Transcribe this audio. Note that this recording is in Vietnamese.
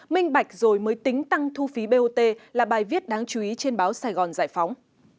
minh bạch rồi mới tính tăng thu phí bot là bài viết đáng chú ý trên báo sài gòn giải phóng